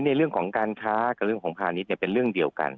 ในเรื่องของการค้ากับเรื่องของพาณิชย์เป็นเรื่องเดียวกัน